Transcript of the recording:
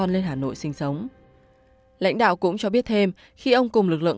lãnh đạo cũng cho biết thêm khi ông cùng lực lượng